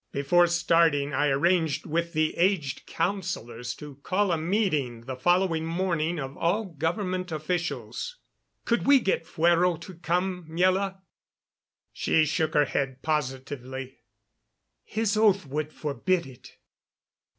Before starting I arranged with the aged councilors to call a meeting the following morning of all government officials. "Could we get Fuero to come, Miela?" She shook her head positively. "His oath would forbid it."